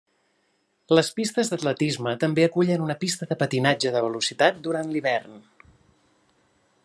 Les pistes d'atletisme també acullen una pista de patinatge de velocitat durant l'hivern.